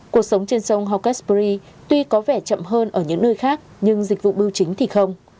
cuộc sống trên sông hawkesbury tuy có vẻ chậm hơn ở những nơi khác nhưng dịch vụ bưu chính thì không